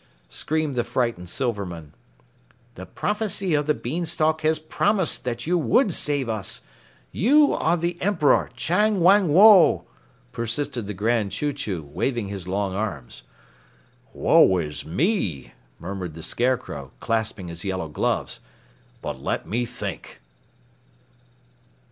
screamed the frightened Silvermen. "The prophecy of the beanstalk has promised that you would save us. You are the Emperor Chang Wang Woe," persisted the Grand Chew Chew, waving his long arms. "Woe is me," murmured the Scarecrow, clasping his yellow gloves. "But let me think."